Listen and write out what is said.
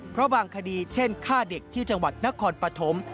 เพราะบางคดีเช่นฆ่าเด็กที่จังหวัดนครปฐม